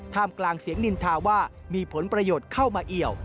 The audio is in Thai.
กลางเสียงนินทาว่ามีผลประโยชน์เข้ามาเอี่ยว